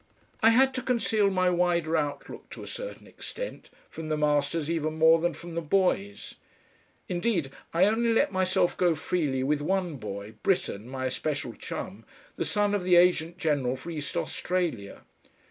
I had to conceal my wider outlook to a certain extent from the masters even more than from the boys. Indeed I only let myself go freely with one boy, Britten, my especial chum, the son of the Agent General for East Australia.